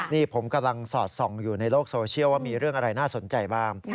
นี่ผมกำลังสอดส่องอยู่ในโลกโซเชียลว่ามีเรื่องอะไรน่าสนใจบ้าง